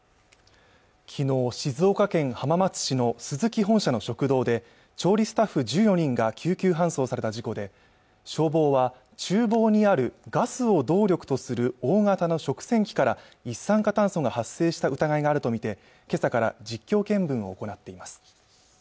きのう静岡県浜松市のスズキ本社の食堂で調理スタッフ１４人が救急搬送された事故で消防は厨房にあるガスを動力とする大型の食洗機から一酸化炭素が発生した疑いがあると見てけさから実況見分を行っています